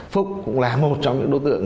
phúc cũng là một trong những đối tượng